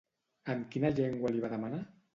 En quina llengua li va demanar?